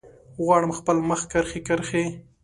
غواړم خپل مخ کرښې، کرښې